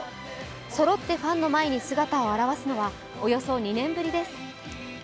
そろってファンの前に姿を現すのはおよそ２年ぶりです。